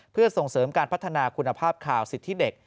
เพื่อส่งเสริมการพัฒนาคุณภาพข่าวสิทธิเด็ก